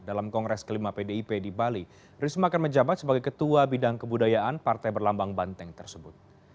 dalam kongres kelima pdip di bali risma akan menjabat sebagai ketua bidang kebudayaan partai berlambang banteng tersebut